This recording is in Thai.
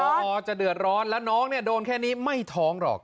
พอจะเดือดร้อนแล้วน้องเนี่ยโดนแค่นี้ไม่ท้องหรอก